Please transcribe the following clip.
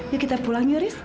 yuk kita pulang yuris